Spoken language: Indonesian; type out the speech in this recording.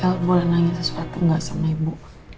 el boleh nanya sesuatu gak sama ibu